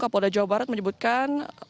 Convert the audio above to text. kapolda jawa barat menyebutkan